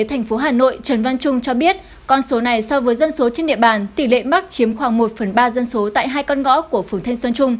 trần văn trung cho biết con số này so với dân số trên địa bàn tỷ lệ mắc chiếm khoảng một phần ba dân số tại hai con gõ của phường thanh xuân trung